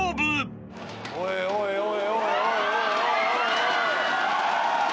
おいおいおいおい。